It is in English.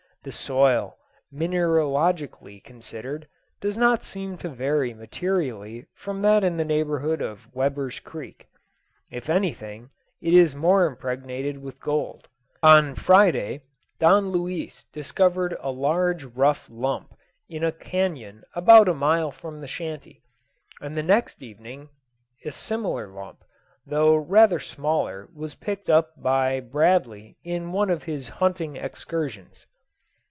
The soil, mineralogically considered, does not seem to vary materially from that in the neighbourhood of Weber's Creek. If anything, it is more impregnated with gold. On Friday, Don Luis discovered a large rough lump in a canone about a mile from the shanty; and the next evening a similar lump, though rather smaller, was picked up by Bradley in one of his hunting excursions.